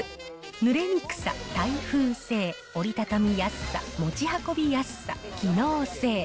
ぬれにくさ、耐風性、折り畳みやすさ、持ち運びやすさ、機能性。